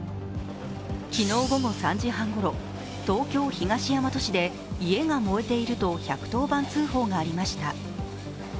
昨日午後３時半ごろ、東京・東大和市で家が燃えていると１１０番通報がありました。